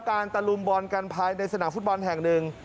ตะลุมบอลกันภายในสนามฟุตบอลแห่งหนึ่ง